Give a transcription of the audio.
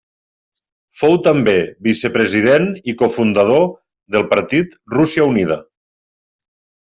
Fou també vicepresident i cofundador del partit Rússia Unida.